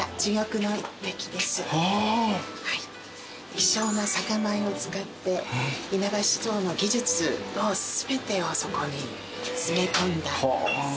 希少な酒米を使って稲葉酒造の技術の全てをそこに詰め込んだお酒なんですが。